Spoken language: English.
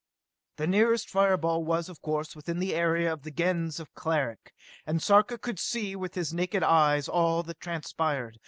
The nearest fire ball was, of course, within the area of the Gens of Cleric, and Sarka could here see with his naked eyes all that transpired.